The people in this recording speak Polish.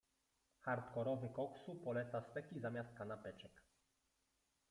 Hardkorowy koksu poleca steki zamiast kanapeczek.